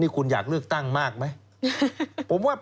คุณอยากเลือกตั้งมากไหม